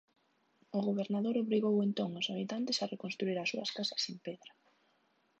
O gobernador obrigou entón aos habitantes a reconstruír as súas casas en pedra.